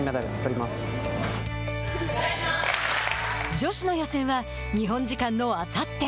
女子の予選は日本時間のあさって。